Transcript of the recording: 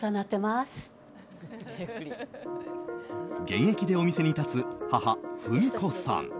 現役でお店に立つ母・文子さん。